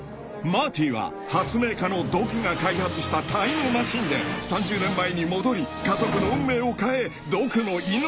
［マーティは発明家のドクが開発したタイムマシンで３０年前に戻り家族の運命を変えドクの命を救った］